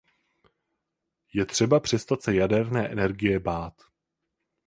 Je třeba přestat se jaderné energie bát.